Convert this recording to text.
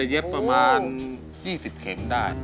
เย็บประมาณ๒๐เข็มได้